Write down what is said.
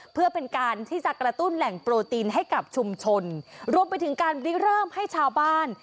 เพื่อเป็นการที่จะกระตุ้นแหล่งโปรตีนให้กับชุมชนรวมไปถึงการริเริ่มให้ชาวบ้าน